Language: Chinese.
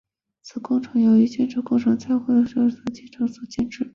此站工程由中铁建工集团京沪高铁滕州东站项目部承建。